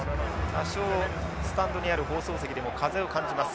多少スタンドにある放送席でも風を感じます